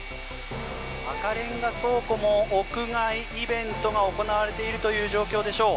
赤レンガ倉庫も屋外イベントが行われているという状況でしょう。